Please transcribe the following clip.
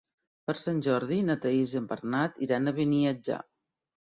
Per Sant Jordi na Thaís i en Bernat iran a Beniatjar.